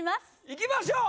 いきましょう